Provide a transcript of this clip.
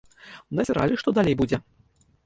Назіралі, што далей будзе.